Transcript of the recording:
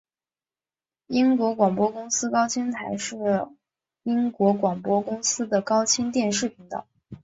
英国广播公司高清台是英国广播公司的高清电视频道。